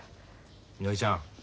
みのりちゃん